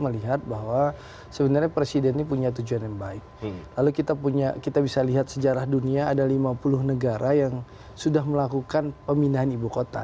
lalu kita bisa lihat sejarah dunia ada lima puluh negara yang sudah melakukan pemindahan ibu kota